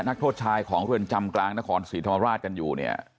นักโทษชายของเรือนจำกลางนครศรีธรรมราชกันอยู่เนี่ย